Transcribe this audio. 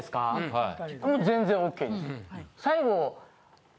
最後。